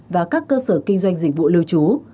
và các cơ sở kinh doanh dịch vụ lưu trú